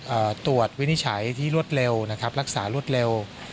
ตรวจวินิจฉัยที่รวดเร็วนะครับรักษารวดเร็ว